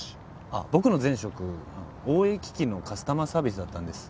あっ僕の前職ＯＡ機器のカスタマーサービスだったんです。